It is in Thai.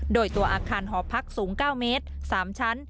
โดยตัวอาคารหอพักสูง๙เมตร๓ชั้น